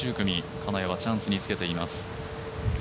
金谷はチャンスにつけています。